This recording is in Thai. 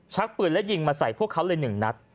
ปืนและยิงมาใส่พวกเขาเลย๑นัด